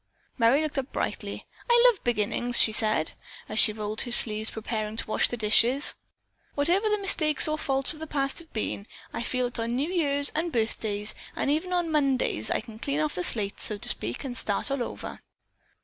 Merry looked up brightly. "I love beginnings!" she said, as she rolled her sleeves preparing to wash the dishes. "Whatever the mistakes or faults of the past have been, I feel that on New Years and birthdays, and even on Mondays, I can clean off the slate, so to speak, and start all over."